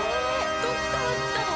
どっから来たの！